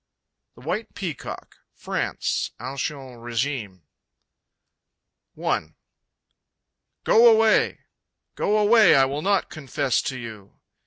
The White Peacock (France Ancient Regime.) I. Go away! Go away; I will not confess to you!